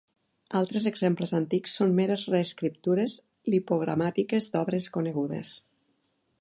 Altres exemples antics són meres reescriptures lipogramàtiques d'obres conegudes.